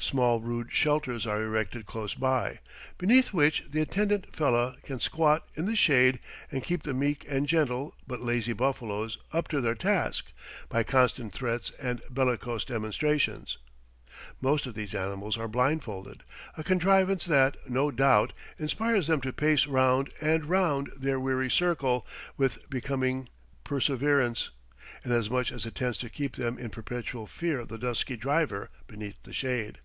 Small rude shelters are erected close by, beneath which the attendant fellah can squat in the shade and keep the meek and gentle, but lazy buffaloes up to their task, by constant threats and bellicose demonstrations. Most of these animals are blindfolded, a contrivance that, no doubt, inspires them to pace round and round their weary circle with becoming perseverance, inasmuch as it tends to keep them in perpetual fear of the dusky driver beneath the shade.